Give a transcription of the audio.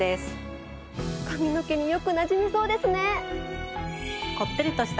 髪の毛によくなじみそうですね！